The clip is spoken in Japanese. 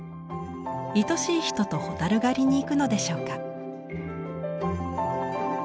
愛しい人と蛍狩りに行くのでしょうか。